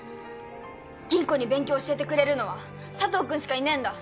吟子に勉強教えてくれるのは佐藤君しかいねえんだ。